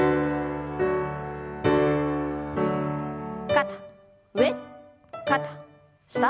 肩上肩下。